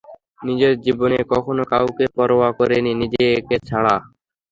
নিজের জীবনে কখনও কাউকে পরোয়া করোনি, নিজেকে ছাড়া।